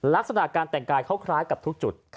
ลักษณะการแต่งกายเขาคล้ายกับทุกจุด